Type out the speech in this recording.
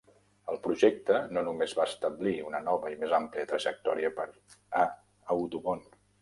El projecte no només va establir una nova i més àmplia trajectòria per a Audubon.